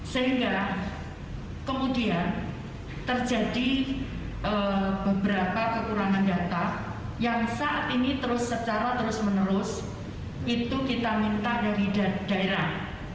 sehingga kemudian terjadi beberapa kekurangan data yang saat ini terus secara terus menerus itu kita minta dari daerah